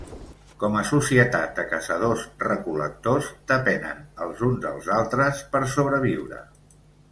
Com a societat de caçadors-recol·lectors depenen els uns dels altres per sobreviure.